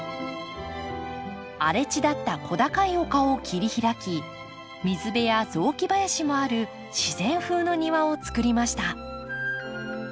荒れ地だった小高い丘を切り開き水辺や雑木林もある自然風の庭を作りました。